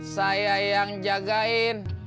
saya yang jagain